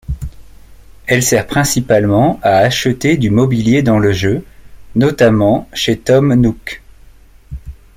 Elle sert principalement à acheter du mobilier dans le jeu, notamment chez Tom Nook.